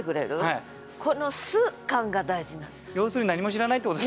要するに何も知らないってこと。